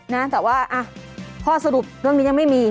นะแต่ว่าอ่ะข้อสรุปเรื่องนี้ยังไม่มี